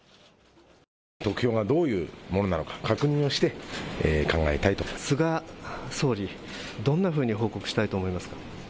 得票がどういうものなのか菅総理どんなふうに報告したいと思いますか。